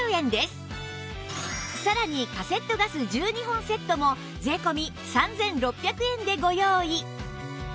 さらにカセットガス１２本セットも税込３６００円でご用意